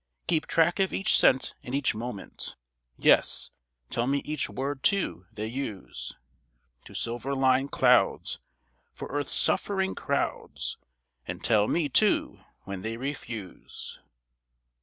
Keep track of each cent and each moment; Yes, tell me each word, too, they use: To silver line clouds for earth's suffering crowds, And tell me, too, when they refuse.'